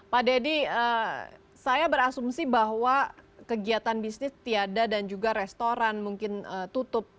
pak deddy saya berasumsi bahwa kegiatan bisnis tiada dan juga restoran mungkin tutup